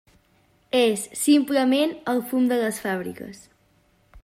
És, simplement, el fum de les fàbriques.